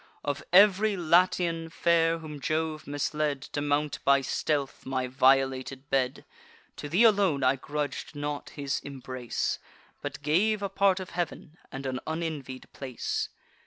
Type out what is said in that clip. Of ev'ry Latian fair whom Jove misled To mount by stealth my violated bed, To thee alone I grudg'd not his embrace, But gave a part of heav'n, and an unenvied place.